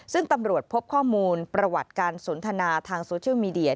ซึ่งตำรวจพบข้อมูลประวัติการสนทนาทางโซเชียลมีเดีย